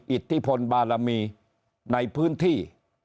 อิทธิพลบารมีในพื้นที่